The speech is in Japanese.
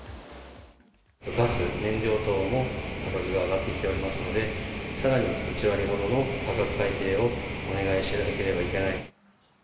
ガス燃料等も価格が上がってきておりますので、さらに１割ほどの価格改定をお願いしなければいけない。